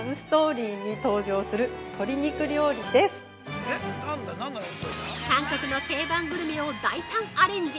◆続いては◆韓国の定番グルメを大胆アレンジ。